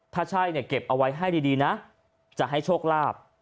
ถ้าใช่เนี่ยเก็บเอาไว้ให้ดีนะจะให้โชคลาภ